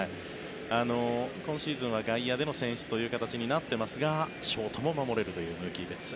今シーズンは外野での選出という形になっていますがショートも守れるというムーキー・ベッツ。